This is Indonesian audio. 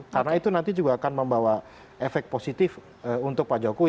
karena itu nanti juga akan membawa efek positif untuk pak jokowi